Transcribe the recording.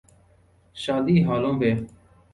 شادی ہالوں پہ۔